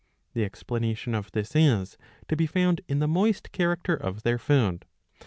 ^^ The explanation of this is to be found in the moist character of their food.